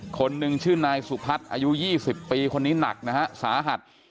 คนหนึ่งชื่อนายสุพัฒน์อายุ๒๐ปีคนนี้หนักนะฮะสาหัส